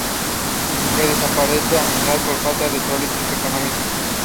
The specific epithet "brownii" is named in honour of the Scottish botanist Robert Brown.